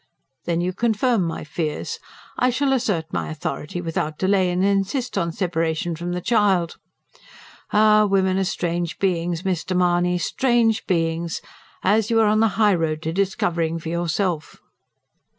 Then you confirm my fears. I shall assert my authority without delay, and insist on separation from the child. Ah! women are strange beings, Mr. Mahony, strange beings, as you are on the high road to discovering for yourself."